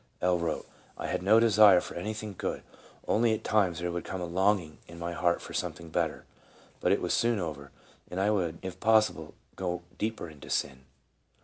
L. wrote: " I had no desire for anything good, only at times there would come a longing in my heart for something better. But it was soon over, and I would, if possible, go deeper into sin."